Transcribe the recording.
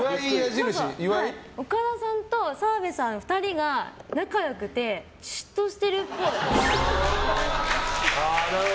岡田さんと澤部さん２人が仲良くて嫉妬してるっぽい。